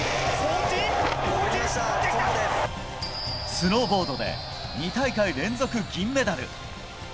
スノーボードで２大会連続銀メダル。